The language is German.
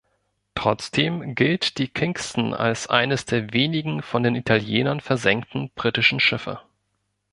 Trotzdem gilt die "Kingston" als eines der wenigen von den Italienern versenkten britischen Schiffe.